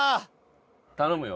頼むよ。